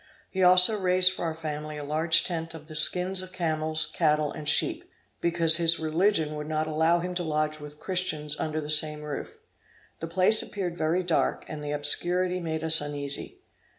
He also raised for our family a large tent of the skins of camels, cattle and sheep, because his religion would not allow him to lodge with Christians under the same roof. The place appeared very dark, and the obscurity made us uneasy.